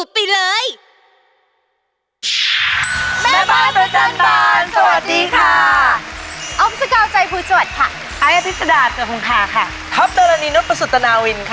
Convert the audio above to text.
โปรดติดตามตอนต่อไป